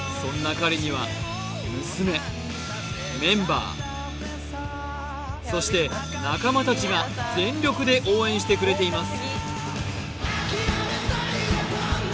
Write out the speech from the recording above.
彼には娘メンバーそして仲間達が全力で応援してくれています